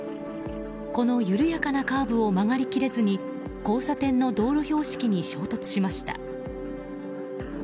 この緩やかなカーブを曲がり切れずに交差点の道路標識に衝突しました。